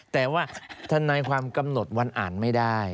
แต่ว่าทนายความกำหนดวันอ่านไม่ได้